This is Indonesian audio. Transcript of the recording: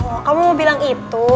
oh kamu mau bilang itu